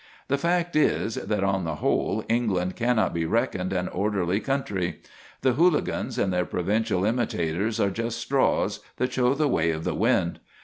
The fact is, that, on the whole, England cannot be reckoned an orderly country. The "hooligans" and their provincial imitators are just straws that show the way of the wind.